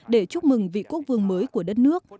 để chúc mừng vị quốc vương mới của đất nước